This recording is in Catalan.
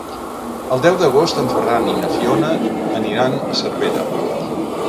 El deu d'agost en Ferran i na Fiona aniran a Cervera.